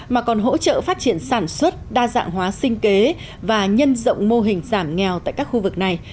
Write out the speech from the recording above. mà còn hỗ trợ phát triển sản xuất đa dạng hóa sinh kế và nhân rộng mô hình giảm nghèo tại các khu vực này